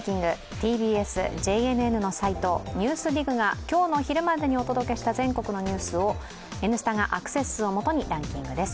ＴＢＳ・ＪＮＮのサイト、「ＮＥＷＳＤＩＧ」が今日の昼までにお届けした全国のニュースを「Ｎスタ」がアクセス数を基にランキングです。